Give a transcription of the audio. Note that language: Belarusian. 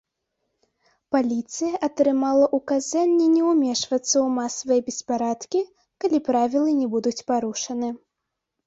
Паліцыя атрымала ўказанне не ўмешвацца ў масавыя беспарадкі, калі правілы не будуць парушаны.